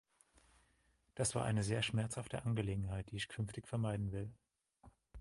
Das war eine sehr schmerzhafte Angelegenheit, die ich künftig vermeiden will.